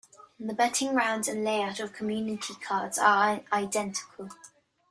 The betting rounds and layout of community cards are identical.